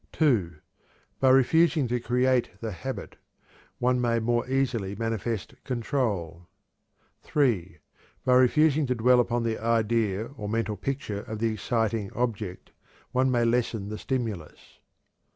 (2) By refusing to create the habit, one may more easily manifest control. (3) By refusing to dwell upon the idea or mental picture of the exciting object, one may lessen the stimulus.